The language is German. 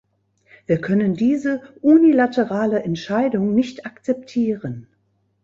Wir können diese unilaterale Entscheidung nicht akzeptieren.